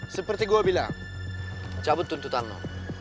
seperti gue bilang cabut tuntutano